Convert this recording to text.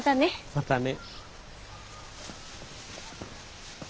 またね。